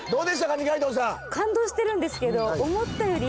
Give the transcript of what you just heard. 二階堂さん